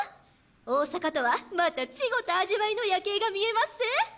大阪とはまた違た味わいの夜景が見えまっせ。